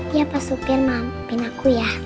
iya pak supir maafin aku ya